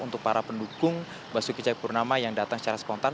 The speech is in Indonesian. untuk para pendukung basuki cahayapurnama yang datang secara spontan